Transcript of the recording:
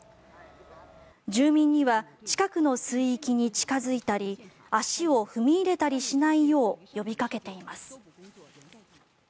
住民には近くの水域に近付いたり足を踏み入れたりしないよう呼びかけています。